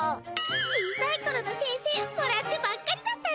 小さいころの先生もらってばっかりだったんだ！